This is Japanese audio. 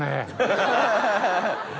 ハハハハ。